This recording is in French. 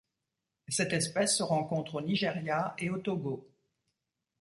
Cette espèce se rencontre au Nigeria et au Togo.